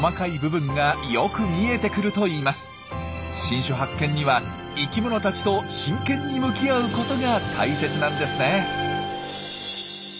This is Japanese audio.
新種発見には生きものたちと真剣に向き合うことが大切なんですね。